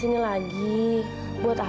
itu sudah kalau aku membuka pintunya